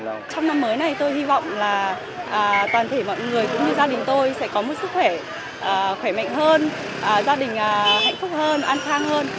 trong năm mới này tôi hy vọng là toàn thể mọi người cũng như gia đình tôi sẽ có một sức khỏe khỏe mạnh hơn gia đình hạnh phúc hơn an khang hơn